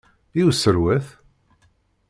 I userwet?